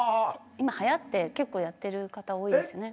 今はやって結構やってる方多いですね。